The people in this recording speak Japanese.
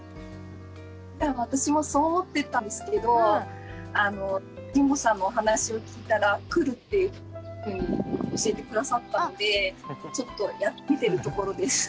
私もそう思ってたんですけどあの神保さんのお話を聞いたら来るっていうふうに教えて下さったのでちょっとやってみてるところです。